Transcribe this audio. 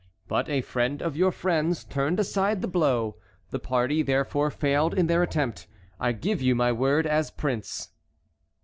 But a friend of your friend's turned aside the blow. The party therefore failed in their attempt. I give you my word as prince."